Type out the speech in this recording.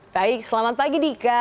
baik selamat pagi dika